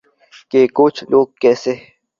کہ ’کچھ لوگ کیسے